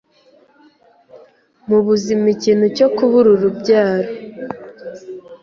Mu buzima ikintu cyo kubura urubyaro